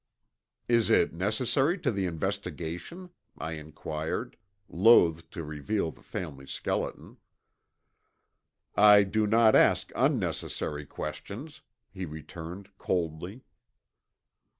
"Is it necessary to the investigation?" I inquired, loth to reveal the family skeleton. "I do not ask unnecessary questions," he returned coldly.